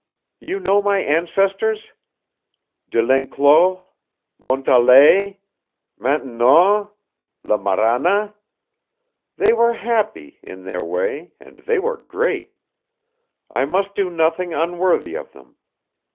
"You know my ancestors? De L'Enclos, Montalais, Maintenon, La Marana! They were happy in their way and they were great. I must do nothing unworthy of them.